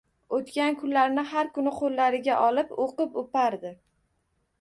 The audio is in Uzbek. O‘tkan kunlarni har kuni qo‘llariga olib, o‘qib, o‘pardi.